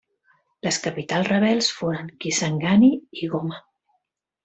Les capitals rebels foren Kisangani i Goma.